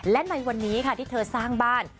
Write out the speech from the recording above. และในวันนี้ค่ะที่เธอสร้างบ้าน